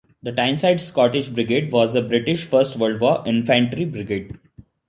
The Tyneside Scottish Brigade was a British First World War infantry brigade.